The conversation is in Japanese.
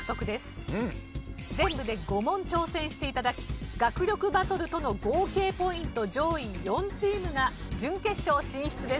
全部で５問挑戦して頂き学力バトルとの合計ポイント上位４チームが準決勝進出です。